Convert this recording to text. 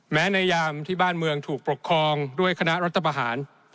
ในยามที่บ้านเมืองถูกปกครองด้วยคณะรัฐประหาร